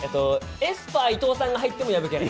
エスパー伊藤さんが入っても破けない。